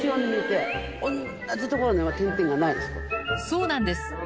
そうなんです